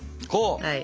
こう！